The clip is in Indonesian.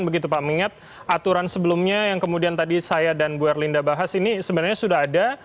mengingat aturan sebelumnya yang kemudian tadi saya dan bu erlinda bahas ini sebenarnya sudah ada